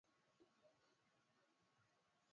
Wasichana wengi wanapenda chokoleti